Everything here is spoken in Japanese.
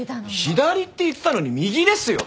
左って言ってたのに右ですよ！？